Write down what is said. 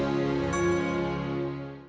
habis satu kalian